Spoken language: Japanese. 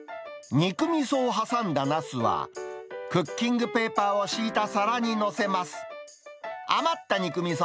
肉みそを挟んだナスは、クッキングペーパーを敷いた皿に載せます。